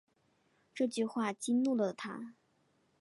这句话激怒了他